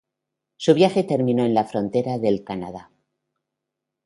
Su viaje terminó en la frontera del Canadá.